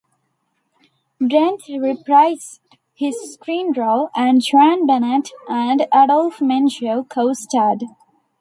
Brent reprised his screen role, and Joan Bennett and Adolphe Menjou co-starred.